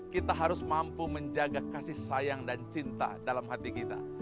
kita harus mampu menjaga kasih sayang dan cinta dalam hati kita